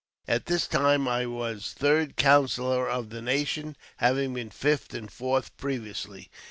At this time I was third counsellor of the nation, having been fifth and fourth previously.